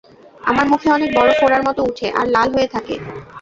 আমার মুখে অনেক বড় ফোঁড়ার মত উঠে আর লাল হয়ে থাকে